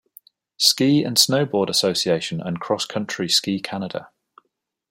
Ski and Snowboard Association and Cross Country Ski Canada.